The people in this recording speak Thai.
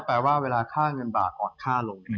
แปลว่าเวลาค่าเงินบาทอ่อนค่าลง